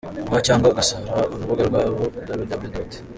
rw, cyangwa agasura urubuga rwabo www.